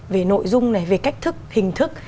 về nội dung này về cách thức hình thức